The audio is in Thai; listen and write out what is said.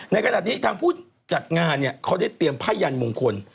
ในขณะนี้ทางผู้จัดงานเนี่ยเขาได้เตรียมผ้ายันมงคล